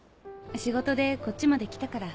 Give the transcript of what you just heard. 仕事でこっちまで来たから。